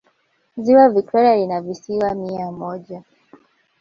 ziwa victoria lina visiwa mia moja